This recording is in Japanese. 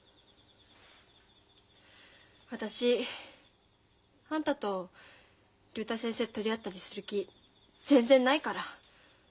私あんたと竜太先生取り合ったりする気全然ないから。